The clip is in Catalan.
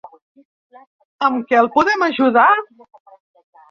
Amb que el podem ajudar?